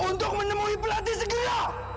untuk menemui pelatih segera